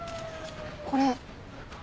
これ。